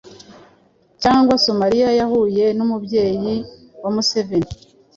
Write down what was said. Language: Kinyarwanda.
cyangwa Somalia yahuye n’umubyeyi wa Museveni,